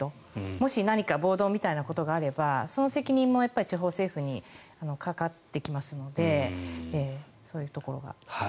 もし何か暴動みたいなことがあればその責任も地方政府にかかってきますのでそういうところが。